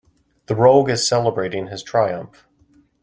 The rogue is celebrating his triumph.